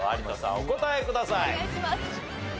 お答えください。